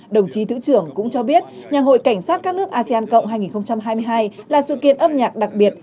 đồng chí thứ trưởng cũng cho biết ngày hội cảnh sát các nước asean cộng hai nghìn hai mươi hai là sự kiện âm nhạc đặc biệt